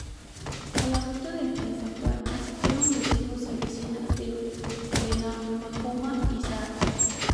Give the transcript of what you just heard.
A la ruta del Pinsapar asistieron vecinos y vecinas de Benamahoma y Zahara